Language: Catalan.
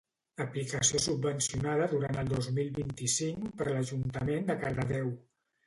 Aplicació subvencionada durant el dos mil vint-i-vinc per l'Ajuntament de Cardedeu